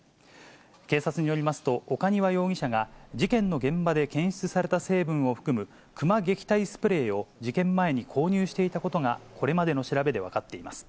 警察によりますと、岡庭容疑者が、事件の現場で検出された成分を含むクマ撃退スプレーを、事件前に購入していたことが、これまでの調べで分かっています。